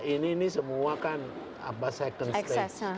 ini semua kan second space